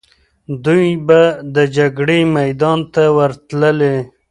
دوی به د جګړې میدان ته ورتللې.